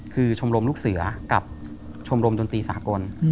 คือชมรมลูกเสือกับชมรมดนตรีสากล